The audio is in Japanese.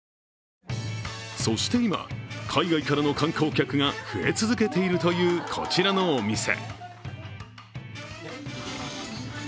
そして今、海外からの観光客が増え続けているというこちらのお店。